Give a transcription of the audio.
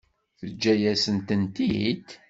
Teǧǧa-yasent-tent-id?